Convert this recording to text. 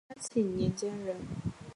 约嘉庆年间人。